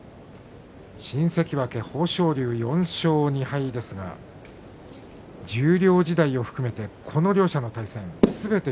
新関脇豊昇龍は４勝２敗ですが十両時代を含めてこの両者の対戦すべて翠